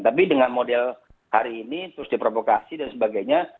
tapi dengan model hari ini terus diprovokasi dan sebagainya